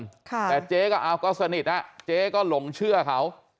แต่เจ๊ก็เอาก็สนิทอ่ะเจ๊ก็หลงเชื่อเขา